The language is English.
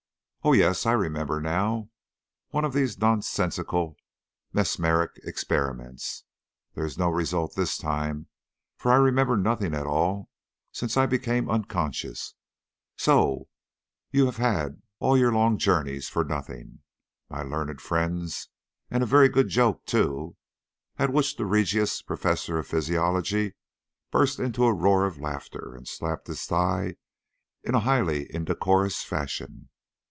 Oh yes, I remember now. One of these nonsensical mesmeric experiments. There is no result this time, for I remember nothing at all since I became unconscious; so you have had all your long journeys for nothing, my learned friends, and a very good joke too;" at which the Regius Professor of Physiology burst into a roar of laughter and slapped his thigh in a highly indecorous fashion.